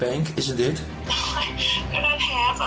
อะไรไม่มีไม่มีอะไร